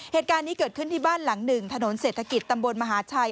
เหตุการณ์นี้เกิดขึ้นที่บ้านหลังหนึ่งถนนเศรษฐกิจตำบลมหาชัย